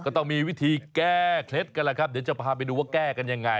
ก็ต้องมีวิธีแก้เคล็ดกันแหละครับเดี๋ยวจะพาไปดูว่าแก้กันยังไง